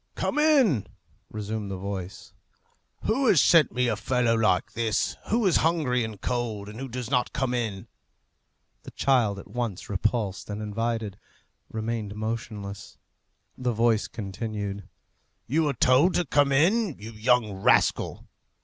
"Come in," resumed the voice. "Who has sent me a fellow like this, who is hungry and cold, and who does not come in?" The child, at once repulsed and invited, remained motionless. The voice continued, "You are told to come in, you young rascal."